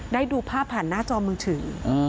ดูภาพผ่านหน้าจอมือถือ